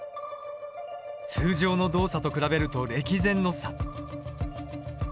通常の動作と比べると歴然の差。